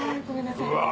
うわ！